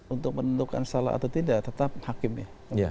untuk menentukan salah atau tidak tetap hakim ya